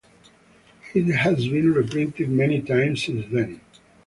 It has been reprinted many times since then.